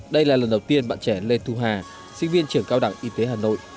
đây là lần đầu tiên bạn trẻ lê thu hà sinh viên trường cao đẳng y tế hà nội